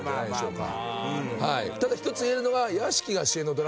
ただ一つ言えるのが。